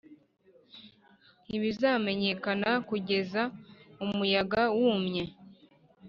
ntibizamenyekana kugeza umuyaga wumye